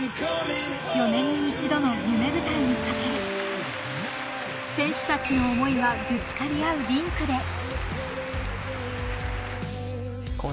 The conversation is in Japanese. ［４年に一度の夢舞台に懸ける選手たちの思いがぶつかり合うリンクで］